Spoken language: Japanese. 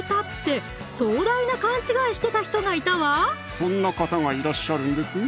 そんな方がいらっしゃるんですね